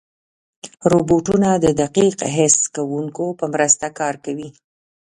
روبوټونه د دقیق حس کوونکو په مرسته کار کوي.